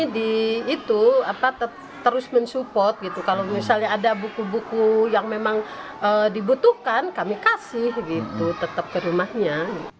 jadi itu terus mensupport kalau misalnya ada buku buku yang memang dibutuhkan kami kasih tetap ke rumahnya